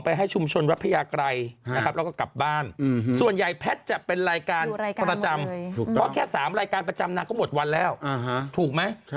เพราะแค่๓รายการประจำนั้นก็หมดวันแล้วถูกไหม